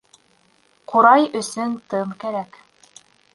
Ҡурай өсөн тын кәрәк